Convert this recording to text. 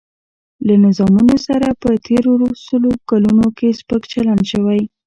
له نظامونو سره په تېرو سلو کلونو کې سپک چلن شوی.